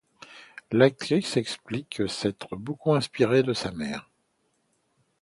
L'actrice explique s'être beaucoup inspirée de sa mère.